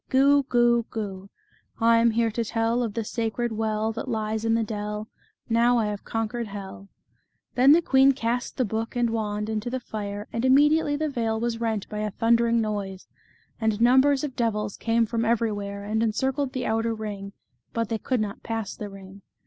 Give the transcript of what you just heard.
Goo! Goo! Goo! I am here to tell Of the sacred well That lies in the dell; Now I have conquered hell." Then the queen cast the book and wand into the fire, and immediately the vale was rent by a thunder ing noise, and numbers of devils came from every where, and encircled the outer ring, but they could not pass the ring.